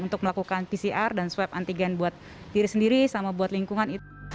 untuk melakukan pcr dan swab antigen buat diri sendiri sama buat lingkungan